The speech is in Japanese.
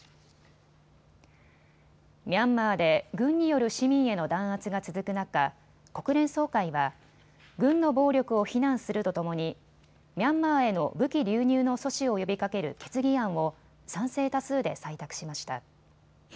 ミャンマーで軍による市民への弾圧が続く中、国連総会は軍の暴力を非難するとともにミャンマーへの武器流入の阻止を呼びかける決議案を賛成多数で採択しました。